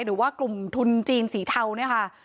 หรือว่ากลุ่มทุนจีนสีเทาเนี่ยค่ะ